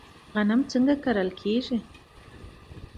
غنم څنګه کرل کیږي؟